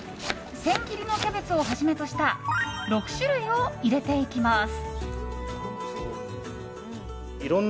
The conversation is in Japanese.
千切りのキャベツをはじめとした６種類を入れていきます。